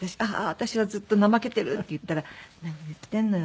私はずっとなまけてるって言ったら何言ってんのよ！